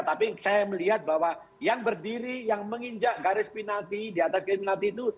tapi saya melihat bahwa yang berdiri yang menginjak garis penalti di atas kriminal itu